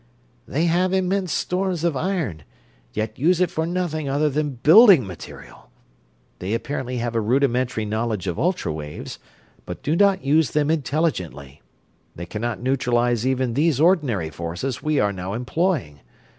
"They have immense stores of iron, yet use it for nothing other than building material. They apparently have a rudimentary knowledge of ultra waves, but do not use them intelligently they cannot neutralize even these ordinary forces we are now employing.